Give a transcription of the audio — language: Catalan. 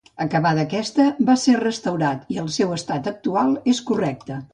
Acabada aquesta, va ser restaurat, i el seu estat actual és correcte.